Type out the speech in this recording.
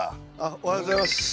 おはようございます。